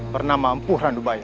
bernama empuh ranubaya